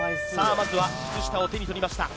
まずは靴下を手に取りました